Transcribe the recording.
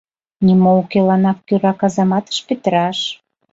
Нимо укеланак кӧра казаматыш петыраш.